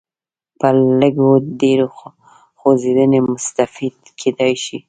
په لږ و ډېرې خوځېدنې مستفید کېدای شي.